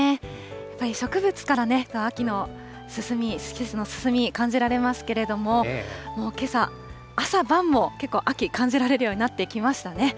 やっぱり植物からね、秋の進み、季節の進み、感じられますけれども、けさ、朝晩も結構秋、感じられるようになってきましたね。